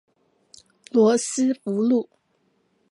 羅斯福路